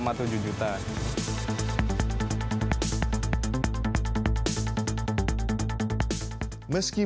meski baru dikendalikan